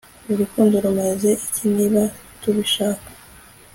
Urukundo rumaze iki Niba tubishaka